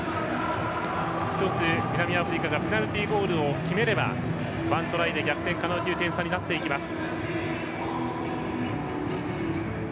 １つ、南アフリカがペナルティーゴールを決めれば１トライで逆転可能という点差になってきます。